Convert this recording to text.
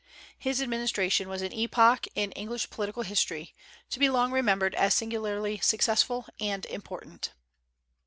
His administration was an epoch in English political history, to be long remembered as singularly successful and important.